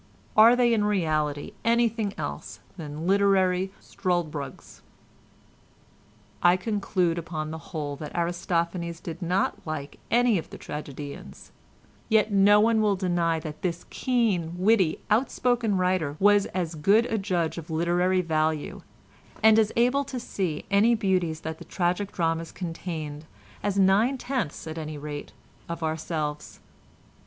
Are they in reality anything else than literary Struldbrugs? "I conclude upon the whole that Aristophanes did not like any of the tragedians; yet no one will deny that this keen, witty, outspoken writer was as good a judge of literary value, and as able to see any beauties that the tragic dramas contained as nine tenths, at any rate, of ourselves.